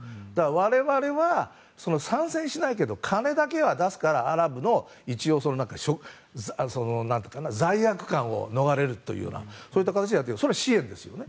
我々は参戦しないけど金だけは出すからアラブの罪悪感を逃れるというようなそういった形でそれは支援ですよね。